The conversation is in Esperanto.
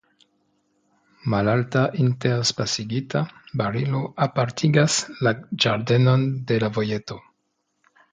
Malalta interspacigita barilo apartigas la ĝardenon de la vojeto.